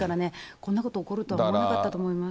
こんなこと起こると思わなかったと思います。